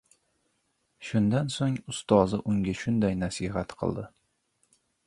Shundan soʻng ustozi unga shunday nasihat qildi: